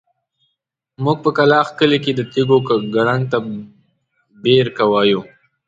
موږ په کلاخ کلي کې د تيږو کړنګ ته بېرکه وايو.